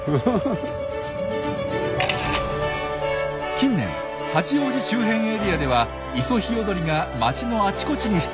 近年八王子周辺エリアではイソヒヨドリが街のあちこちに出没。